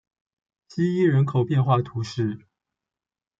希伊人口变化图示